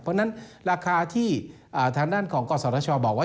เพราะฉะนั้นราคาที่ทางด้านของกศชบอกว่า